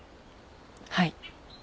はい。